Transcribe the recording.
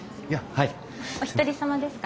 お一人様ですか？